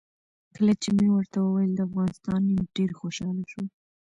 کله چې مې ورته وویل د افغانستان یم ډېر خوشاله شو.